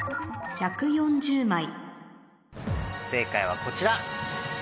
正解はこちら。